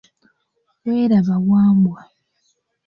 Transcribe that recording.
Welaba Wambwa.